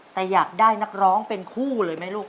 แต่อยากได้นักร้องเป็นคู่เลยไหมลูก